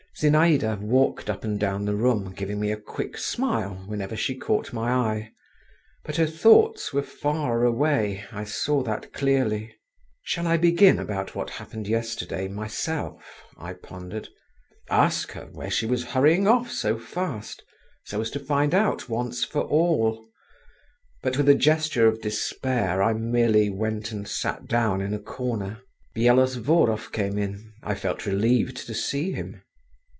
Zinaïda walked up and down the room, giving me a quick smile, whenever she caught my eye, but her thoughts were far away, I saw that clearly…. "Shall I begin about what happened yesterday myself," I pondered; "ask her, where she was hurrying off so fast, so as to find out once for all" … but with a gesture of despair, I merely went and sat down in a corner. Byelovzorov came in; I felt relieved to see him.